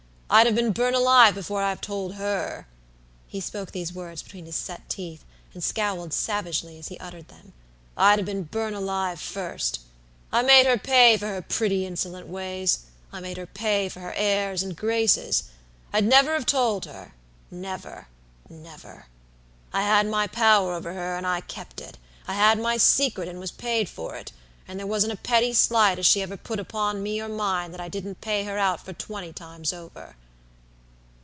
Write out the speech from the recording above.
I'd have been burnt alive before I'd have told her." He spoke these words between his set teeth, and scowled savagely as he uttered them. "I'd have been burnt alive first. I made her pay for her pretty insolent ways; I made her pay for her airs and graces; I'd never have told hernever, never! I had my power over her, and I kept it; I had my secret and was paid for it; and there wasn't a petty slight as she ever put upon me or mine that I didn't pay her out for twenty times over!"